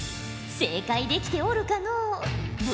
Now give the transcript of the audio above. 正解できておるかのう？